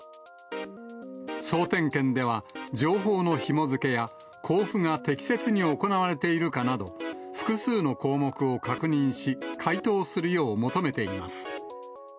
総点検では情報のひも付けや交付が適切に行われているかなど、複数の項目を確認し、回答するよう求めています。